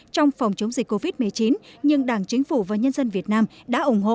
trong phòng chống dịch covid một mươi chín nhưng đảng chính phủ và nhân dân việt nam đã ủng hộ